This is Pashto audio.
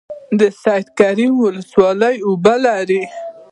سید کرم ولسوالۍ اوبه لري؟